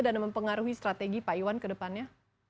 dan mempengaruhi strategi pak iwan kedepannya